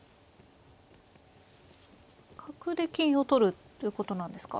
角で金を取るっていうことなんですか。